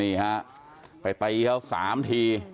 นี่ครับไปตายเขา๓ที